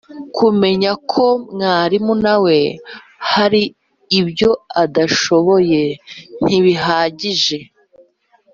kumenya ko mwarimu na we hari ibyo adashoboye ntibihagije